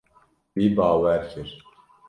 Wî bawer kir.